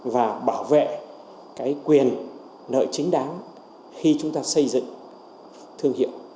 và bảo vệ cái quyền nợ chính đáng khi chúng ta xây dựng thương hiệu